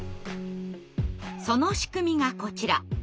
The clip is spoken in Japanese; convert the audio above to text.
その仕組みがこちら。